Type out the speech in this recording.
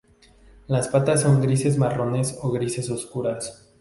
Las patas son grises marrones o grises oscuras.